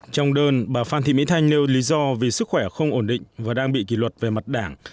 trong đơn bà phan thị mỹ thanh nêu lý do vì sức khỏe không ổn định và đang bị kỷ luật về mặt đảng